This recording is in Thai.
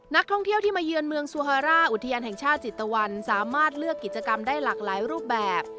นักท่องเที่ยวที่มาเยือนเมืองซูฮาร่าอุทยานแห่งชาติจิตตะวันสามารถเลือกกิจกรรมได้หลากหลายรูปแบบ